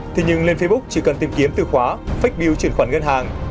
thì nhưng lên facebook chỉ cần tìm kiếm từ khóa fake bill chuyển khoản ngân hàng